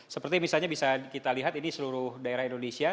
seperti misalnya bisa kita lihat ini seluruh daerah indonesia